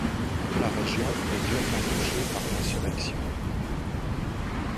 La région est durement touchée par l'insurrection.